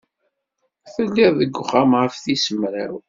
Telliḍ deg wexxam ɣef tis mraw?